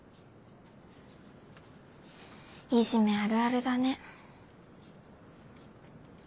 いじめあるあるだね。